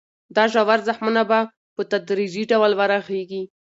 دا ژور زخمونه به په تدریجي ډول ورغېږي.